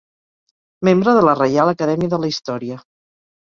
Membre de la Reial Acadèmia de la Història.